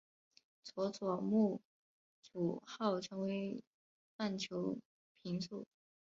佐佐木主浩成为棒球评述。